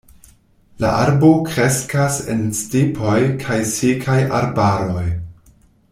La arbo kreskas en stepoj kaj sekaj arbaroj.